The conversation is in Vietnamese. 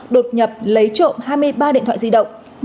đột nhập lấy trộm hai mươi ba điện thoại di động